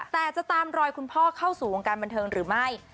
แต่จะตามรอยคุณพ่อเข้าสู่วงการบันเทิงหรือไม่